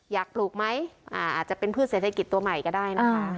ปลูกไหมอาจจะเป็นพืชเศรษฐกิจตัวใหม่ก็ได้นะคะ